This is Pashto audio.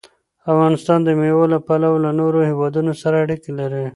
افغانستان د مېوو له پلوه له نورو هېوادونو سره اړیکې لري.